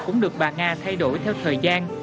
cũng được bà nga thay đổi theo thời gian